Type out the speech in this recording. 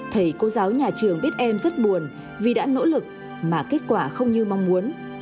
thầy cô giáo nhà trường biết em rất buồn vì đã nỗ lực mà kết quả không như mong muốn